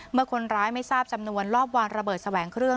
เมื่อคนร้ายไม่ทราบจำนวนรอบวางระเบิดแสวงเครื่อง